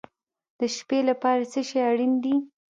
د شپې لپاره څه شی اړین دی؟